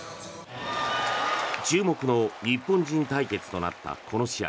注目の日本人対決となったこの試合。